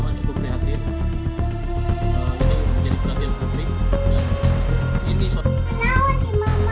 baik rekan rekan penyelidikan ini belum selesai belum tuntas